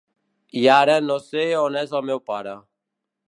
I ara no sé on és el meu pare.